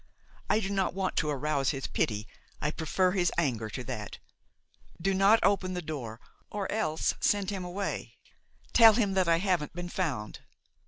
I do not want to arouse his pity, I prefer his anger to that. Do not open the door, or else send him away; tell him that I haven't been found."